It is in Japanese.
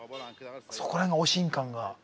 そこら辺がおしん感が。